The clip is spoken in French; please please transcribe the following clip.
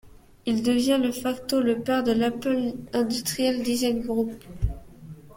Il y devient de facto le père de l'Apple Industrial Design Group.